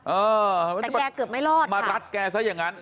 เออแต่แกเกือบไม่รอดมารัดแกซะอย่างนั้น